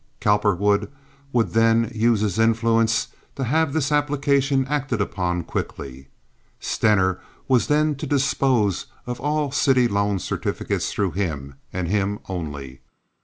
Cowperwood would then use his influence to have this application acted upon quickly. Stener was then to dispose of all city loan certificates through him, and him only.